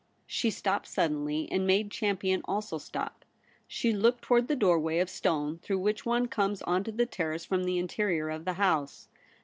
She stopped suddenly, and made Champion also stop. She looked towards the doorway of stone through which one comes on to the Terrace from the interior of the House.